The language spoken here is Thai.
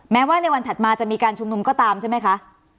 แม้ว่าในวันถัดมาจะมีการชุมนุมก็ตามใช่ไหมคะ